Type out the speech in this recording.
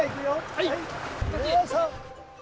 はい。